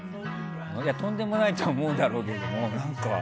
とんでもないと思うだろうけど。